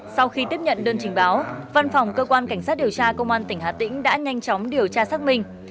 sau khi tiếp nhận đơn trình báo văn phòng cơ quan cảnh sát điều tra công an tỉnh hà tĩnh đã nhanh chóng điều tra xác minh